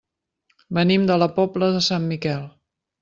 Venim de la Pobla de Sant Miquel.